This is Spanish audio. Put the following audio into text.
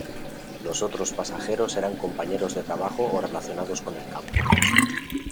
Los otros pasajeros eran compañeros de trabajo o relacionados con el campo.